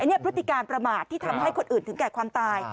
นี่พฤติการประมาทที่ทำให้คนอื่นถึงแก่ความตาย